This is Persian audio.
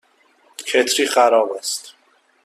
کتری خراب است.